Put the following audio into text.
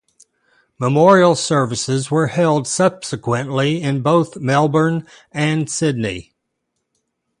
Memorial services were held subsequently in both Melbourne and Sydney.